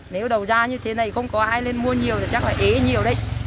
nếu đầu ra như thế này không có ai lên mua nhiều thì chắc là ý nhiều đấy